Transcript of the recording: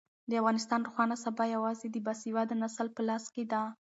د افغانستان روښانه سبا یوازې د باسواده نسل په لاس کې ده.